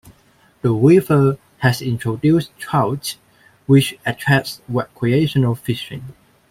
The river has introduced trout which attracts recreational fishing.